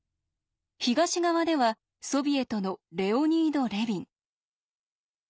東側ではソビエトのレオニード・レビン。